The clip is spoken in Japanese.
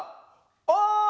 「おい！」